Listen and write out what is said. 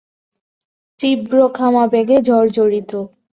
তীব্র কামাবেগে জর্জরিত।